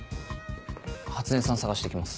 初音さん探してきます。